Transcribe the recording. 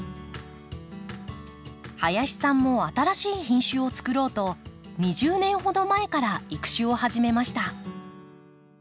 林さんも新しい品種をつくろうと２０年ほど前から育種を始めました。